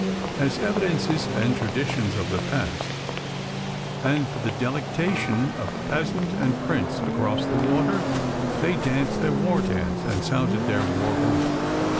As evidences and traditions of the past, and for the delectation of peasant and prince "across the water," they danced their war dance and sounded their war whoop.